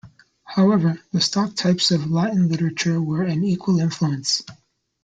However, the stock types of Latin literature were an equal influence.